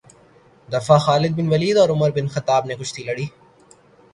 دفعہ خالد بن ولید اور عمر بن خطاب نے کشتی لڑی